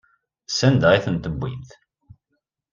Sanda ay tent-tewwimt?